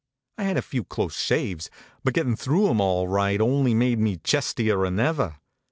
I had a few close shaves ; but gettin through em all right only made me chest ier n ever.